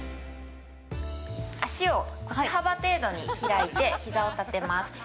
足を腰幅程度に開いて膝を立てます。